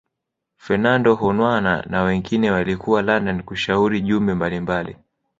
Fernando Honwana na wengine walikuwa London kushauri jumbe mbali mbali